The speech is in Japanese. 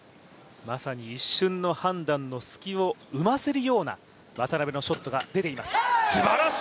まさに一瞬の判断の隙を生ませるような渡辺のショットが出ています。